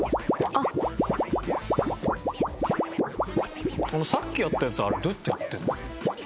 さっきやったやつあれどうやってやってるの？